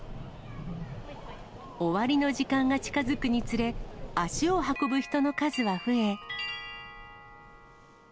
終わりの時間が近づくにつれ、足を運ぶ人の数は増え。